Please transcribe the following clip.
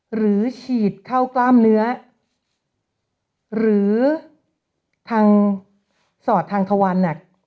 หรือฉีดเข้ากล้ามเนื้อหรือทางสอดทางทวัน